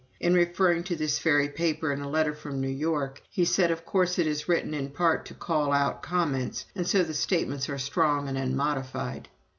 In referring to this very paper in a letter from New York, he said, "Of course it is written in part to call out comments, and so the statements are strong and unmodified."